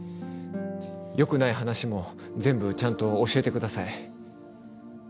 良くない話も全部ちゃんと教えてください。